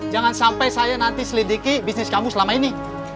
jangan sampai saya nanti selidiki bisnis kamu selama ini